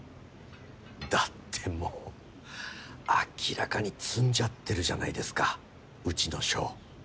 だってもう明らかに詰んじゃってるじゃないですかうちの署。